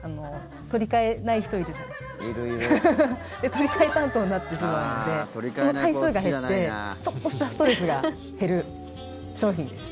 取り替え担当になってしまうのでその回数が減ってちょっとしたストレスが減る商品です。